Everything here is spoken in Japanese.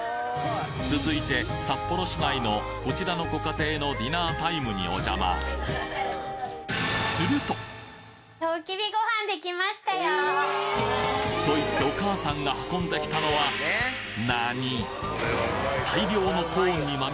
続いて札幌市内のこちらのご家庭のディナータイムにお邪魔と言ってお母さんが運んできたのは何！？